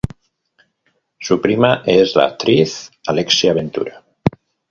Su prima es la actriz Alessia Ventura.